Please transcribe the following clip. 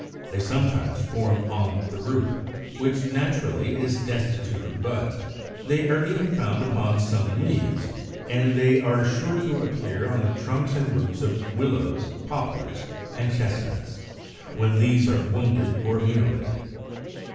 They sometimes form on the root, which naturally is destitute of buds; they are even found upon some leaves; and they are sure to appear on the trunks and roots of Willows, Poplars, and Chestnuts, when these are wounded or mutilated.